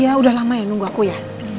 ya udah lama ya nunggu aku ya